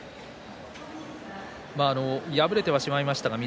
敗れてしまいましたが翠